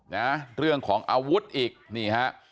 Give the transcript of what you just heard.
นะเรื่องของอาวุธอีกนี่ฮะ